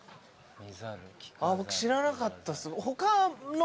僕知らなかった。